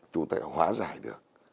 chúng ta hóa giải được